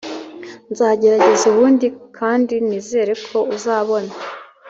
nzagerageza ubundi kandi nizere ko uzabona